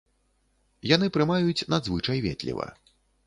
Яны прымаюць надзвычай ветліва.